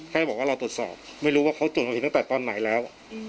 แค่บอกว่าเราตรวจสอบไม่รู้ว่าเขาตรวจเราเห็นตั้งแต่ตอนไหนแล้ว